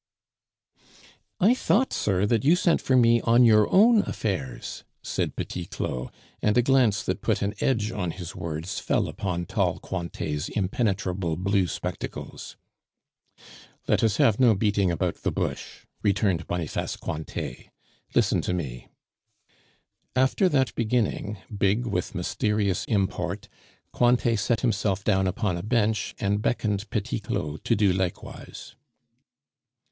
"I thought, sir, that you sent for me on your own affairs," said Petit Claud, and a glance that put an edge on his words fell upon tall Cointet's impenetrable blue spectacles. "Let us have no beating about the bush," returned Boniface Cointet. "Listen to me." After that beginning, big with mysterious import, Cointet set himself down upon a bench, and beckoned Petit Claud to do likewise.